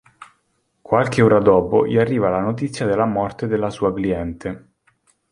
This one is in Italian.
Qualche ora dopo gli arriva la notizia della morte della sua cliente.